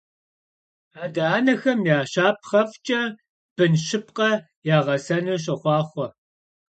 Ade - anexem ya şapxhef'ç'e bın şıpkhe yağesenu soxhuaxhue!